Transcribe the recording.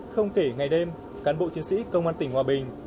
không kể ngày đêm cán bộ chiến sĩ công an tỉnh hòa bình